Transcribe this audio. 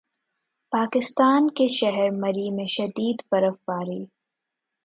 پاکستان کے شہر مری میں شدید برف باری